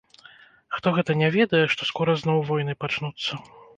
Хто гэта не ведае, што скора зноў войны пачнуцца!